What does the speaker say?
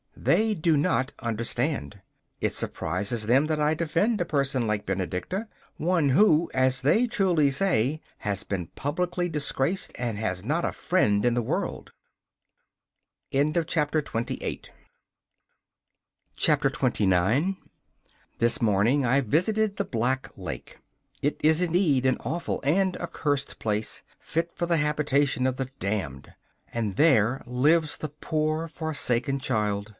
They do not understand. It surprises them that I defend a person like Benedicta one who, as they truly say, has been publicly disgraced and has not a friend in the world. 29 This morning I visited the Black Lake. It is indeed an awful and accursed place, fit for the habitation of the damned. And there lives the poor forsaken child!